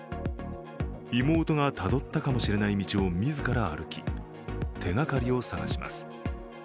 妹がたどったかもしれない道を自ら歩き、手がかりを捜します。